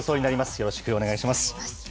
よろしくお願いします。